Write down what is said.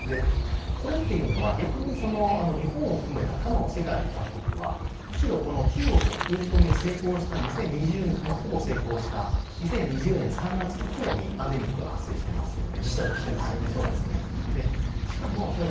これっていうのは逆に日本を含めた他の世界の各国はむしろ、この中国は封じ込めに成功した２０２０年ほぼ成功した２０２０年３月以降にパンデミックが発生してますよね。